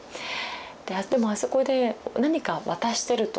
でもあそこで何か渡してると。